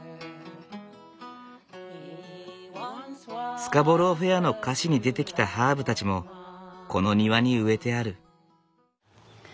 「スカボロー・フェア」の歌詞に出てきたハーブたちもこの庭に植えてある。